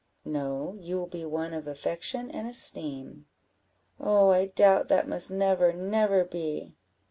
"No, you will be one of affection and esteem." "Oh, I doubt that must never, never be!"